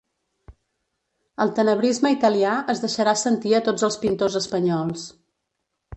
El tenebrisme italià es deixarà sentir a tots els pintors espanyols.